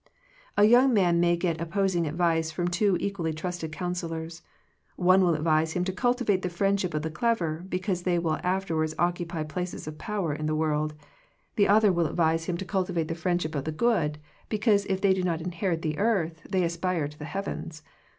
^ young mart may get opposing advice from two equally trusted counsellors. One will advise him to cultivate the friendship of the clever, because they will afterward occupy places of power in the world: the other will advise him to 106 Digitized by VjOOQIC THE CHOICE OF FRIENDSHIP cultivate the friendship of the good, be cause if they do not inherit the earth, they aspire to the heavens.